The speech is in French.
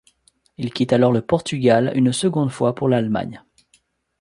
Il quitte alors le Portugal une seconde fois pour l'Allemagne.